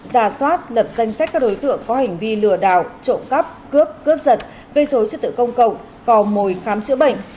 giả soát lập danh sách các đối tượng có hành vi lừa đảo trộm cắp cướp cướp giật gây dối trật tự công cộng cò mồi khám chữa bệnh